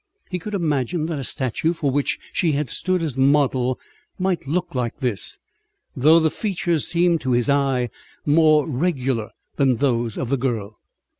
He could imagine that a statue for which she had stood as model might look like this, though the features seemed to his eye more regular than those of the girl.